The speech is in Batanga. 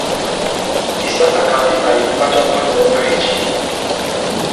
Isásákandi na ipuma já mwana ó mayèjiya.